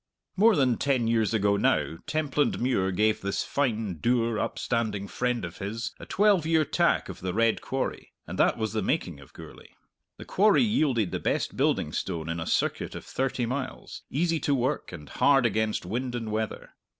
More than ten years ago now Templandmuir gave this fine, dour upstanding friend of his a twelve year tack of the Red Quarry, and that was the making of Gourlay. The quarry yielded the best building stone in a circuit of thirty miles, easy to work and hard against wind and weather.